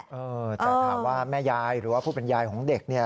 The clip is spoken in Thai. เออแต่ถามว่าแม่ยายหรือว่าผู้เป็นยายของเด็กเนี่ย